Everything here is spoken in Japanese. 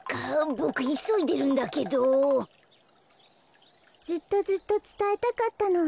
ボクいそいでるんだけど。ずっとずっとつたえたかったの。